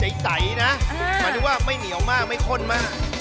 ใสนะหมายถึงว่าไม่เหนียวมากไม่ข้นมาก